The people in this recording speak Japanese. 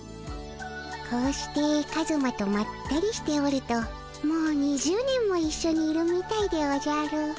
こうしてカズマとまったりしておるともう２０年もいっしょにいるみたいでおじゃる。